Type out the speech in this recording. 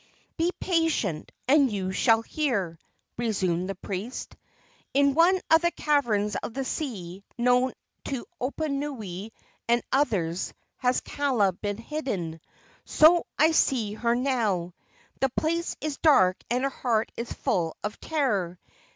"Be patient, and you shall hear," resumed the priest. "In one of the caverns of the sea, known to Oponui and others, has Kaala been hidden. So I see her now. The place is dark and her heart is full of terror.